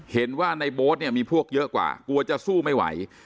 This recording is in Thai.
เห็นว่าในโบ๊ทเนี่ยมีพวกเยอะกว่ากลัวจะสู้ไม่ไหว